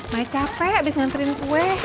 mai capek abis ngantriin kue